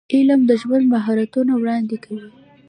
علم د ژوند مهارتونه وړاندې کوي.